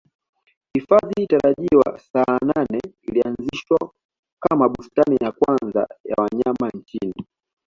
Hifadhi tarajiwa Saanane ilianzishwa kama bustani ya kwanza ya wanyama nchini